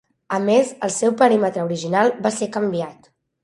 A més, el seu perímetre original va ser canviat.